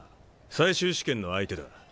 最終試験の相手だ。